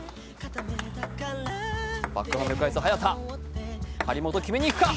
バックハンドで返す早田張本決めに行くか。